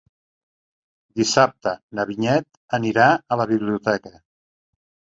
Dissabte na Vinyet anirà a la biblioteca.